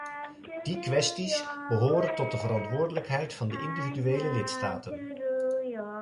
Die kwesties behoren tot de verantwoordelijkheid van de individuele lidstaten.